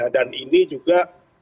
dan ini juga